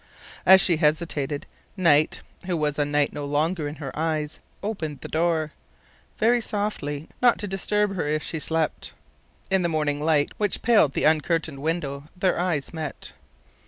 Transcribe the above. As she hesitated, Knight who was a knight no longer in her eyes opened the door, very softly, not to disturb her if she slept. In the morning light which paled the uncurtained window their eyes met.